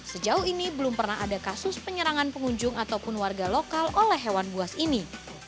sejauh ini belum pernah ada kasus penyerangan pengunjung ataupun warga lokal oleh hewan buas ini